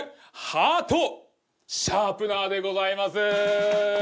ハートシャープナーでございます。